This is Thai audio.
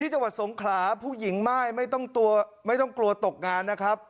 จังหวัดสงขลาผู้หญิงม่ายไม่ต้องกลัวตกงานนะครับ